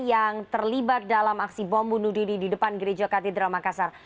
yang terlibat dalam aksi bom bunuh diri di depan gereja katedral makassar